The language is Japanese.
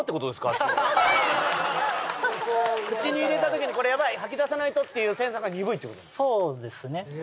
あっちは口に入れた時にこれヤバい吐き出さないとっていうセンサーが鈍いってことそうですね